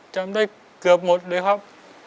จำได้เกือบหมดเลยครับ